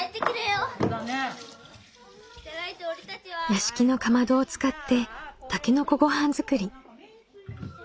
屋敷のかまどを使ってたけのこごはん作り。